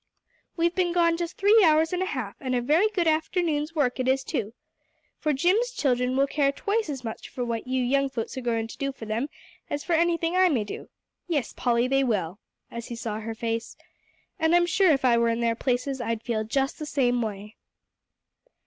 "We've been gone just three hours and a half, and a very good afternoon's work it is too. For Jim's children will care twice as much for what you young folks are going to do for them as for anything I may do. Yes, Polly, they will," as he saw her face. "And I'm sure if I were in their places, I'd feel just the same way."